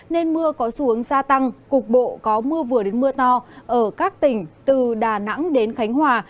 nên mưa có xu hướng gia tăng cục bộ có mưa vừa đến mưa to ở các tỉnh từ đà nẵng đến khánh hòa